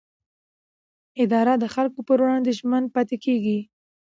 اداره د خلکو پر وړاندې ژمن پاتې کېږي.